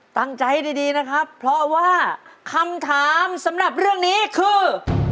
ตั้งใจให้ดีนะครับเพราะว่าคำถามสำหรับเรื่องนี้คือ